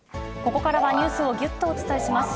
ここからは、ニュースをぎゅっとお伝えします。